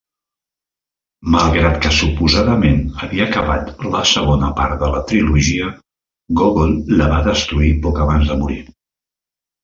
Malgrat que suposadament havia acabat la segona part de la trilogia, Gogol la va destruir poc abans de morir.